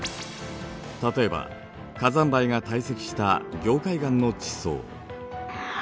例えば火山灰が堆積した凝灰岩の地層。